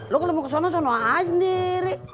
lo kalo mau kesana kesana aja sendiri